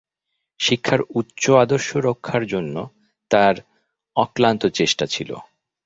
শিক্ষার উচ্চ আদর্শ রক্ষার জন্য তাঁর অক্লান্ত চেষ্টা ছিল।